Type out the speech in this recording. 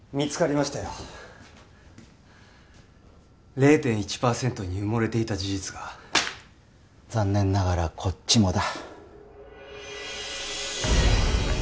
０．１％に埋もれていた事実が残念ながらこっちもだ